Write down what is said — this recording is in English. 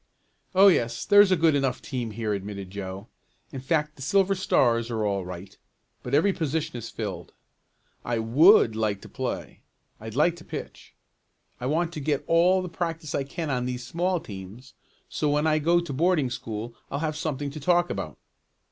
"Oh, yes, there's a good enough team here," admitted Joe. "In fact the Silver Stars are all right, but every position is filled. I would like to play I'd like to pitch. I want to get all the practice I can on these small teams, so when I go to boarding school I'll have something to talk about."